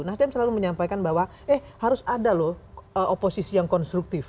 nasdem selalu menyampaikan bahwa eh harus ada loh oposisi yang konstruktif